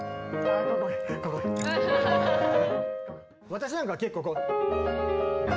私なんかは結構こう。